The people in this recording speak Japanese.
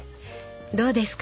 どうですか？